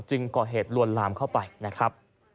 ก่อเหตุลวนลามเข้าไปนะครับ